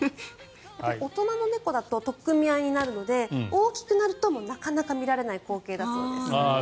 大人の猫だと取っ組み合いになるので大きくなるとなかなか見られない光景だそうです。